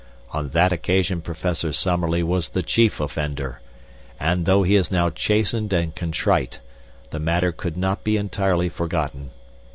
On that occasion Professor Summerlee was the chief offender, and though he is now chastened and contrite, the matter could not be entirely forgotten.